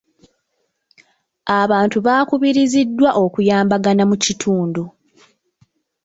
Abantu baakubiriziddwa okuyambagana mu kitundu.